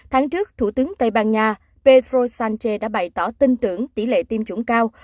tháng trước thủ tướng tây ban nha pedro sánche đã bày tỏ tin tưởng tỷ lệ tiêm chủng cao